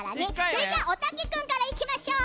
それではおたけくんからいきましょう！